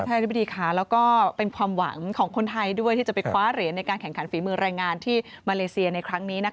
อธิบดีค่ะแล้วก็เป็นความหวังของคนไทยด้วยที่จะไปคว้าเหรียญในการแข่งขันฝีมือแรงงานที่มาเลเซียในครั้งนี้นะคะ